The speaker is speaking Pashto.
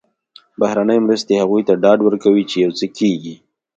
بهرنۍ مرستې هغوی ته ډاډ ورکوي چې یو څه کېږي.